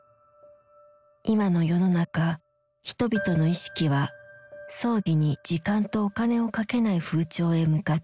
今の世の中人々の意識は葬儀に時間とお金をかけない風潮へ向かっている。